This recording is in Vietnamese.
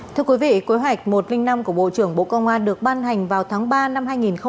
thưa quý vị kế hoạch một trăm linh năm của bộ trưởng bộ công an được ban hành vào tháng ba năm hai nghìn hai mươi